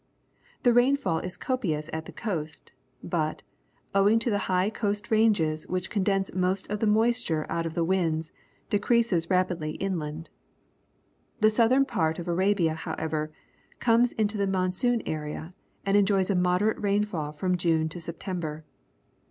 The rainfall is copious at the coast, but, owing to the high coast ranges which condense most of the moisture out of the winds, decreases rapidly inland. The south ern part of Arabia, however, comes into the monsoon area and enjoj's a moderate rainfall from June to September.